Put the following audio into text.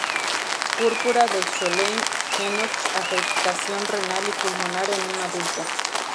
Púrpura de Schönlein-Henoch: afectación renal y pulmonar en un adulto.